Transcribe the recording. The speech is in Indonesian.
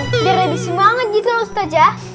biar lebih semangat gitu loh ustazah